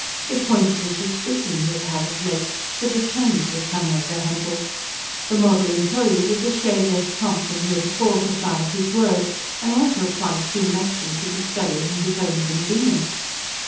It pointed a suspicion he had had, of late, that a change was coming over Hempel. The model employee was a shade less prompt than heretofore to fly at his word, and once or twice seemed actually to be studying his own convenience.